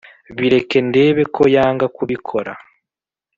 Bireke ndebe ko yanga kubikora